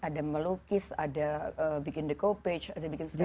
ada melukis ada bikin decopage ada bikin segala macam